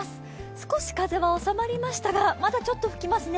少し風は収まりましたがまだ吹きますね。